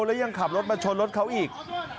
แล้วยังขับรถมาชนรถเขาอีก